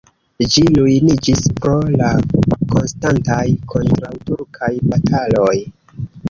Ĝi ruiniĝis pro la konstantaj kontraŭturkaj bataloj.